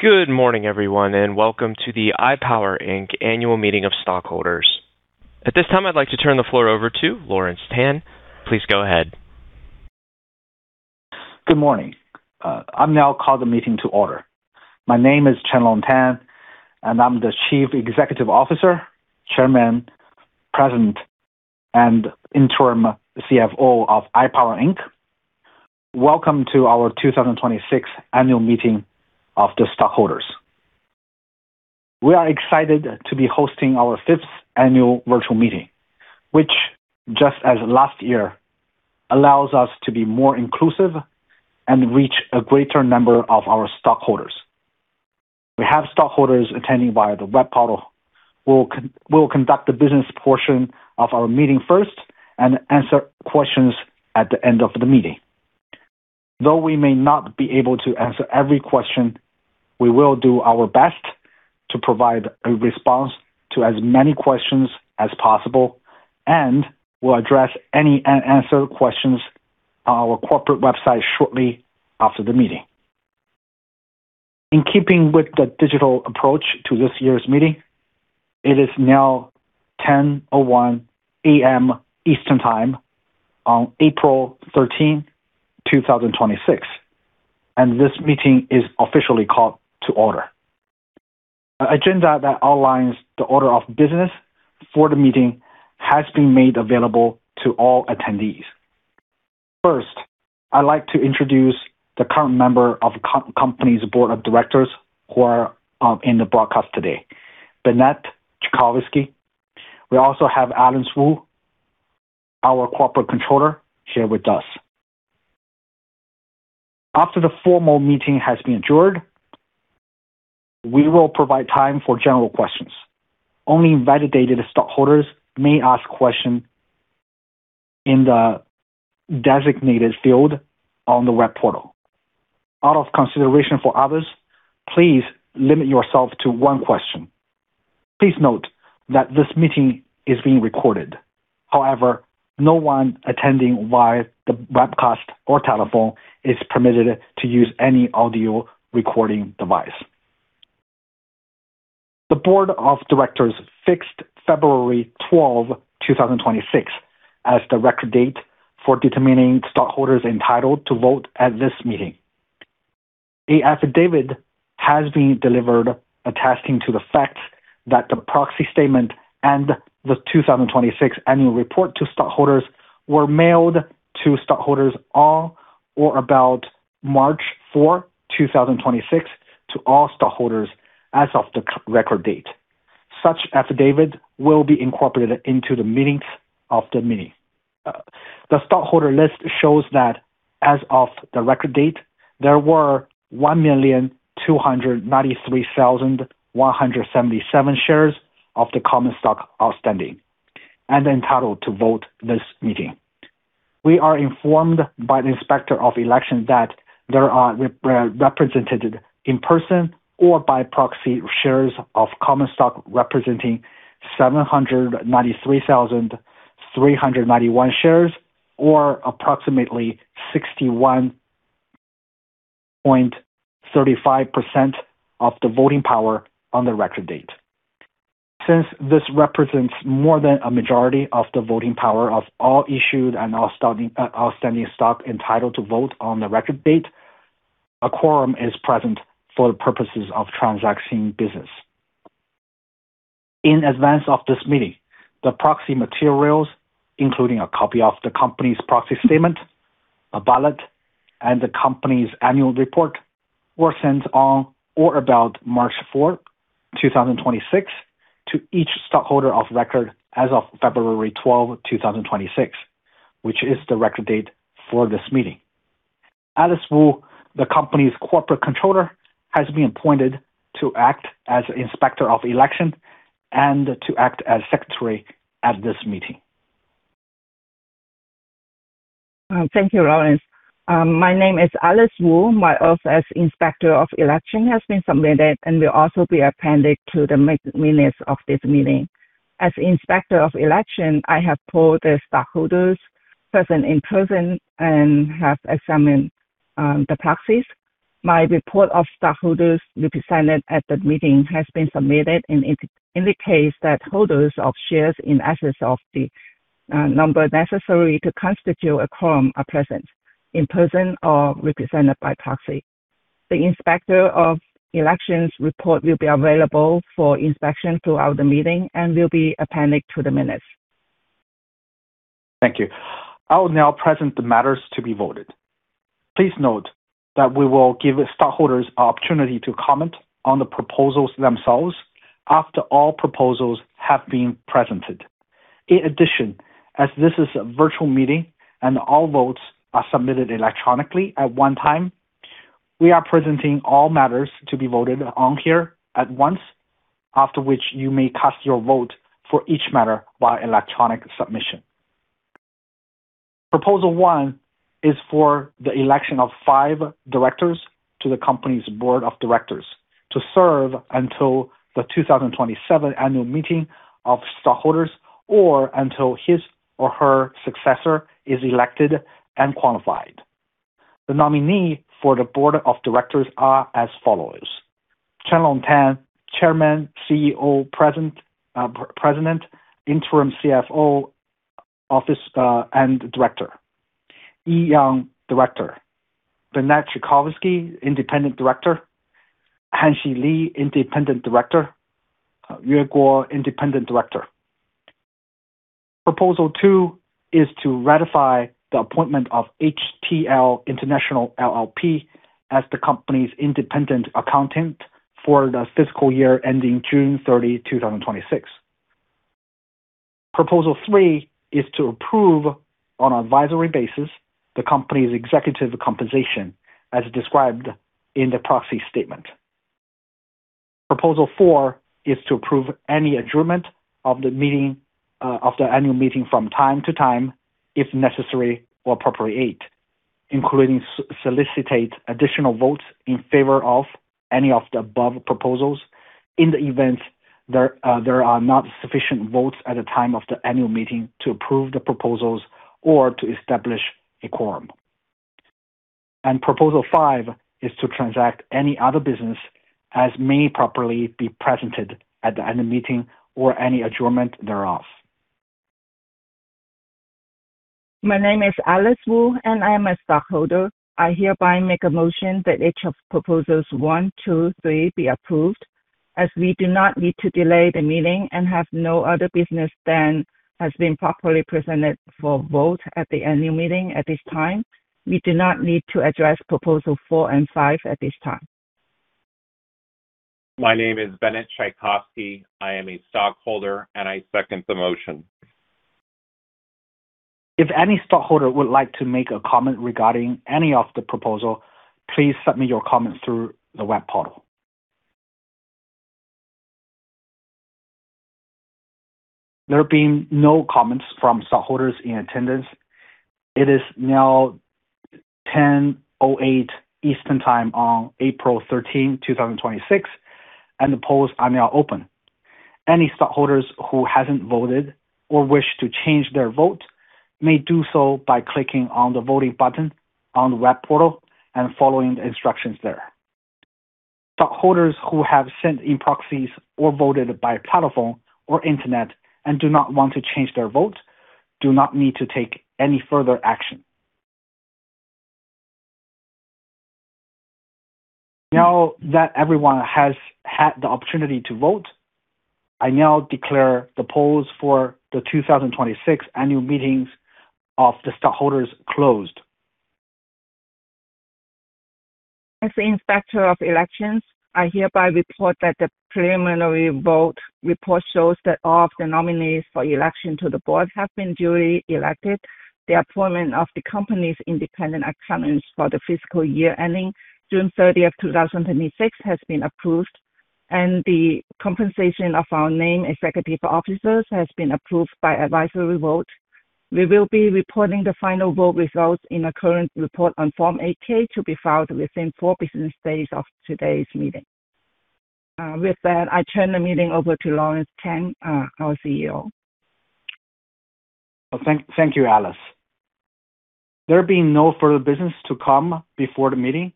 Good morning, everyone, and welcome to the iPower Inc Annual Meeting of Stockholders. At this time, I'd like to turn the floor over to Chenlong Tan. Please go ahead. Good morning. I now call the meeting to order. My name is Chenlong Tan, and I'm the Chief Executive Officer, Chairman, President, and Interim CFO of iPower Inc. Welcome to our 2026 Annual Meeting of the Stockholders. We are excited to be hosting our fifth annual virtual meeting, which, just as last year, allows us to be more inclusive and reach a greater number of our stockholders. We have stockholders attending via the web portal. We'll conduct the business portion of our meeting first and answer questions at the end of the meeting. Though we may not be able to answer every question, we will do our best to provide a response to as many questions as possible, and we'll address any unanswered questions on our corporate website shortly after the meeting. In keeping with the digital approach to this year's meeting, it is now 10:01 A.M. Eastern Time on April 13, 2026, and this meeting is officially called to order. An agenda that outlines the order of business for the meeting has been made available to all attendees. First, I'd like to introduce the current members of the company's Board of Directors who are on the broadcast today. Bennet Tchaikovsky. We also have Alice Wu, our Corporate Controller, here with us. After the formal meeting has been adjourned, we will provide time for general questions. Only validated stockholders may ask questions in the designated field on the web portal. Out of consideration for others, please limit yourself to one question. Please note that this meeting is recorded. However, no one attending via the webcast or telephone is permitted to use any audio recording device. The Board of Directors fixed February 12, 2026, as the record date for determining stockholders entitled to vote at this meeting. The affidavit has been delivered, attesting to the fact that the proxy statement and the 2026 Annual Report to stockholders were mailed to stockholders on or about March 4, 2026, to all stockholders as of the record date. Such affidavit will be incorporated into the minutes of the meeting. The stockholder list shows that as of the record date, there were 1,293,177 shares of the common stock outstanding and entitled to vote in this meeting. We are informed by the Inspector of Election that there are represented in person or by proxy, shares of common stock representing 793,391 shares, or approximately 61.35% of the voting power on the record date. Since this represents more than a majority of the voting power of all issued and outstanding stock entitled to vote on the record date, a quorum is present for the purposes of transacting business. In advance of this meeting, the proxy materials, including a copy of the company's proxy statement, a ballot, and the company's annual report, were sent on or about March 4, 2026, to each stockholder of record as of February 12, 2026, which is the record date for this meeting. Alice Wu, the company's Corporate Controller, has been appointed to act as Inspector of Election and to act as Secretary at this meeting. Thank you, Lawrence. My name is Alice Wu. My oath as Inspector of Election has been submitted and will also be appended to the minutes of this meeting. As Inspector of Election, I have called the stockholders present in person and have examined the proxies. My report of stockholders represented at the meeting has been submitted and indicates that holders of shares in excess of the number necessary to constitute a quorum are present in person or represented by proxy. The Inspector of Election's report will be available for inspection throughout the meeting and will be appended to the minutes. Thank you. I will now present the matters to be voted. Please note we will give stockholders opportunity to comment on the proposals themselves after all proposals have been presented. In addition, as this is a virtual meeting and all voters are submitted electronically at one time, we are presenting all matters to be voted oncare at once, after which you may cast your vote for each matter by electronic submission. Proposal one is for the election of five directors to the Company's Board of Directors, to serve until the 2027 Annual Meeting of Stockholders or until his or her successor is elected and qualified. The nominees for the Board of Directors are as follows. Chenlong Tan, Chairman, CEO, President, Interim CFO, and Director. Yi Yang, Director. Bennet Tchaikovsky, Independent Director. Hanxi Li, Independent Director. Yue Guo, Independent Director. Proposal two is to ratify the appointment of HTL International, LLC as the company's independent accountant for the fiscal year ending June 30, 2026. Proposal three is to approve, on advisory basis, the company's executive compensation as described in the Proxy Statement. Proposal four is to approve any adjournment of the Annual Meeting from time to time, if necessary or appropriate, including solicitate additional votes in favor of any of the above proposals in the event there are not sufficient votes at the time of the Annual Meeting to approve the proposals or to establish a quorum. Proposal five is to transact any other business as may properly be presented at the Annual Meeting or any adjournment thereof. My name is Alice Wu, and I am a stockholder. I hereby make a motion that each of Proposals one, two, three be approved, as we do not need to delay the meeting and have no other business than has been properly presented for vote at the Annual Meeting at this time. We do not need to address Proposal four and five at this time. My name is Bennet Tchaikovsky. I am a stockholder, and I second the motion. If any stockholder would like to make a comment regarding any of the proposals, please submit your comments through the web portal. There being no comments from stockholders in attendance, it is now 10:08 A.M. Eastern Time on April 13, 2026, and the polls are now open. Any stockholders who hasn't voted or wish to change their vote may do so by clicking on the voting button on the web portal and following the instructions there. Stockholders who have sent in proxies or voted by telephone or internet and do not want to change their vote do not need to take any further action. Now that everyone has had the opportunity to vote, I now declare the polls for the 2026 Annual Meeting of the stockholders closed. As the Inspector of Election, I hereby report that the preliminary vote report shows that all of the nominees for election to the Board have been duly elected. The appointment of the Company's independent accountants for the fiscal year ending June 30th, 2026, has been approved, and the compensation of our Named Executive Officers has been approved by advisory vote. We will be reporting the final vote results in a current report on Form 8-K to be filed within four business days of today's meeting. With that, I turn the meeting over to Chenlong Tan, our CEO. Thank you, Alice. There being no further business to come before the meeting,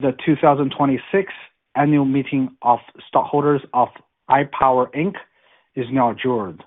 the 2026 Annual Meeting of Stockholders of iPower Inc is now adjourned.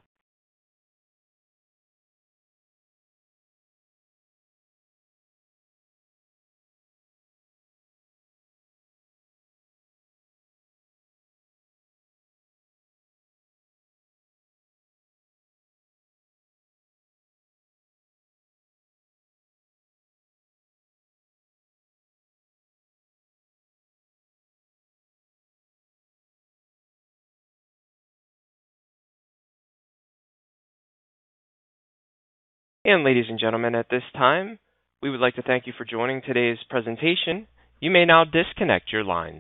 Ladies and gentlemen, at this time, we would like to thank you for joining today's presentation. You may now disconnect your lines.